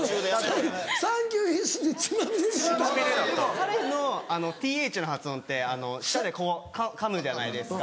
彼の「ｔｈ」の発音って舌でこうかむじゃないですか。